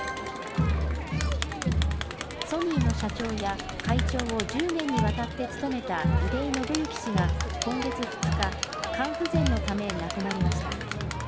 ソニーの社長や会長を１０年にわたって務めた出井伸之氏が、今月２日、肝不全のため亡くなりました。